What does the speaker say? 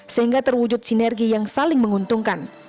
sehingga terwujud sinergi yang saling menguntungkan